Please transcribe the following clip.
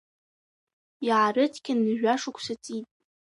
Иаарыцқьаны жәашықәса ҵит.